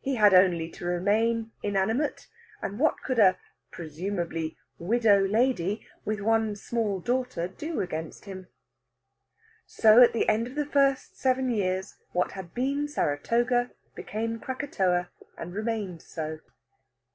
He had only to remain inanimate, and what could a (presumably) widow lady with one small daughter do against him? So at the end of the first seven years, what had been Saratoga became Krakatoa, and remained so.